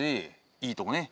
いいとこね。